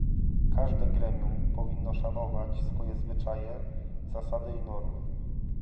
Każde gremium powinno szanować swoje zwyczaje, zasady i normy